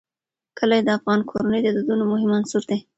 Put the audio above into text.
کلي د افغان کورنیو د دودونو مهم عنصر دی.